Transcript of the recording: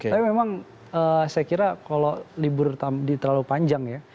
tapi memang saya kira kalau libur terlalu panjang ya